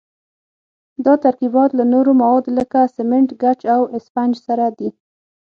دا ترکیبات له نورو موادو لکه سمنټ، ګچ او اسفنج سره دي.